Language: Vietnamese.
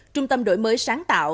trung tâm đổi mới sáng tạo